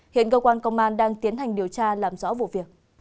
hiện cơ quan công an đang tiến hành điều tra làm rõ vụ việc